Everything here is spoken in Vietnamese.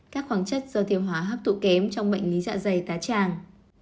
các khoáng chất do thiếu hóa hấp tụ kém trong bệnh lý dạ dày tá tràng